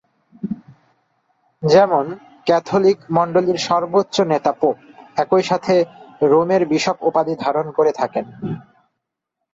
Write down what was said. যেমন, ক্যাথলিক মণ্ডলীর সর্বোচ্চ নেতা "পোপ" একইসাথে "রোমের বিশপ" উপাধি ধারণ করে থাকেন।